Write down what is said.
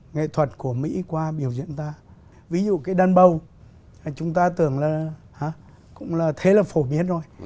nghệ thuật của mỹ qua biểu diễn ta ví dụ cái đàn bầu chúng ta tưởng là cũng là thế là phổ biến rồi